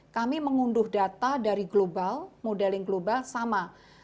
kami mengunduh data dari global modeling global sama